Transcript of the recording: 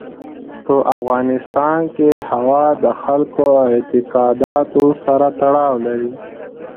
په افغانستان کې هوا د خلکو د اعتقاداتو سره تړاو لري.